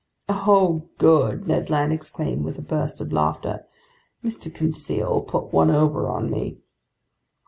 "Oh good!" Ned Land exclaimed with a burst of laughter. "Mr. Conseil put one over on me!"